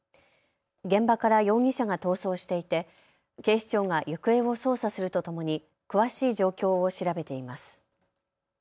現場から容疑者が逃走していて警視庁が行方を捜査するとともに詳しい状況を調べています。